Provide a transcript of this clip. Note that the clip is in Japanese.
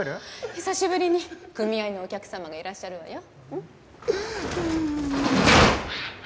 久しぶりに組合のお客様がいらっしゃるわよ。